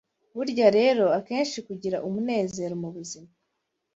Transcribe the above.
Burya rero, akenshi kugira umunezero mu buzima